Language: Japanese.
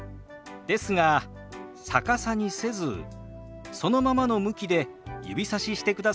ですが逆さにせずそのままの向きで指さししてくだされば大丈夫。